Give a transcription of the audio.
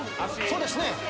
そうですね。